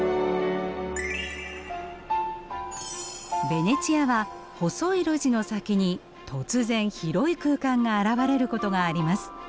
ベネチアは細い路地の先に突然広い空間が現れることがあります。